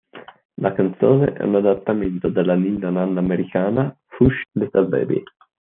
La canzone è un adattamento della ninna nanna americana "Hush, Little Baby".